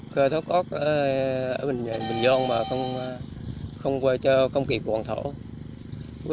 khơi thốt cốt ở bình dương mà không qua cho công kỳ của hoàn thổ